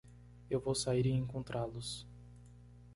Eu vou sair e encontrá-los!